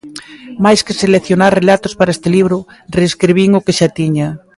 Máis que seleccionar relatos para este libro, reescribín o que xa tiña.